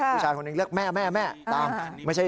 ผู้ชายคนหนึ่งเรียกแม่ตาม